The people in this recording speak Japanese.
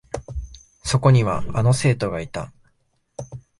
そこには、あの生徒がいた。